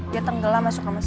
dia tenggelam masuk ke masjid